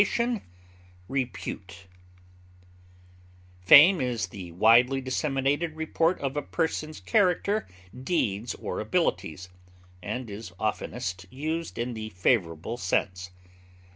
distinction, Fame is the widely disseminated report of a person's character, deeds, or abilities, and is oftenest used in the favorable sense.